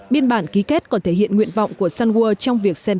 biên bản ký kết còn thể hiện nguyện vọng của sunwood trong việc xem